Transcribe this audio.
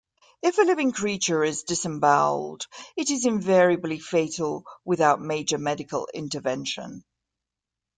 If a living creature is disemboweled, it is invariably fatal without major medical intervention.